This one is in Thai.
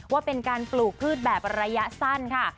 ว่าเป็นการปลูกพืชแบบระยะสั้นค่ะ